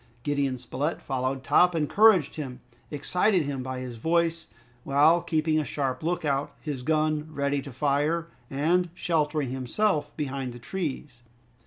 Gideon Spilett followed Top, encouraged him, excited him by his voice, while keeping a sharp look out, his gun ready to fire, and sheltering himself behind the trees.